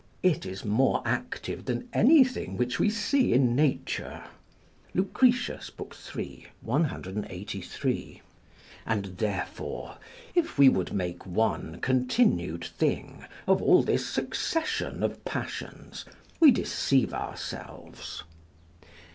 It is more active than anything which we see in nature." Lucretius, iii. 183.] and therefore, if we would make one continued thing of all this succession of passions, we deceive ourselves.